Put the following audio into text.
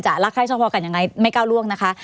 รักใครชอบพอกันยังไงไม่ก้าวล่วงนะคะ